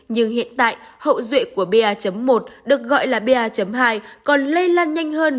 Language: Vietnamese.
nhưng hiện tại hậu duệ của ba một được gọi là ba hai còn lây lan nhanh hơn